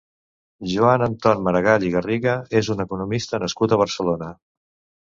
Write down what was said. Joan Anton Maragall i Garriga és un economista nascut a Barcelona.